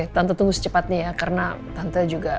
oke oke tante tunggu secepatnya ya karena tante mau pergi ke rumah